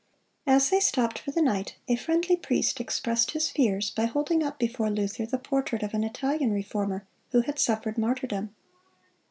As they stopped for the night, a friendly priest expressed his fears by holding up before Luther the portrait of an Italian reformer who had suffered martyrdom.